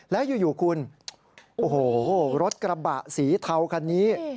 แล้วอยู่คุณโอ้โหรถกระบะสีเทาคันนี้